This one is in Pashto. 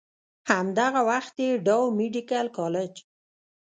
هم دغه وخت ئې ډاؤ ميډيکل کالج